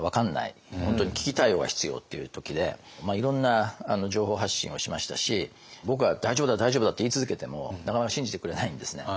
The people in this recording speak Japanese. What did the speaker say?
本当に危機対応が必要っていう時でいろんな情報発信をしましたし僕が大丈夫だ大丈夫だって言い続けてもなかなか信じてくれないんですね。